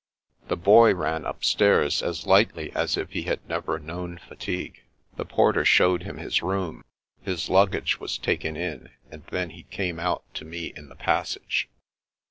The Boy ran upstairs as lightly as if he had never known fatigue. The porter showed him his room; his luggage was taken in, and then he came out to me in the passage.